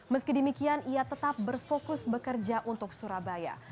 meski demikian ia tetap berfokus bekerja untuk surabaya